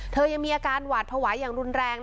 เธอยังมีอาการหวาดพวายค่ะ